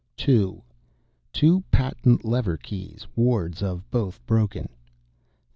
2. Two patent lever keys; wards of both broken. 3.